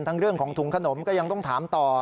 เรื่องของถุงขนมก็ยังต้องถามต่อ